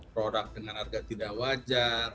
produk dengan harga tidak wajar